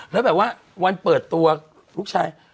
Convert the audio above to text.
แล้ววันเปิดตัวลูกชาย